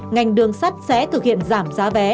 ngành đường sắt sẽ thực hiện giảm giá vé